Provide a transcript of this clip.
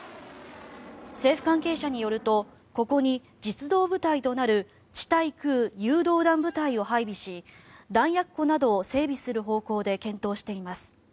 政府関係者によるとここに実動部隊となる地対空誘導弾部隊を配備し弾薬庫などを整備する方向で検討しています。